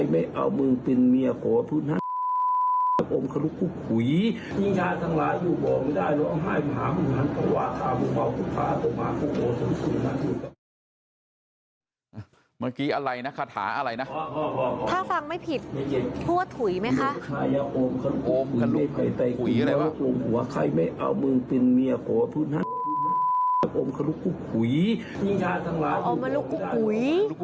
เมื่อกี้อะไรนะคาถาอะไรนะถ้าฟังไม่ผิด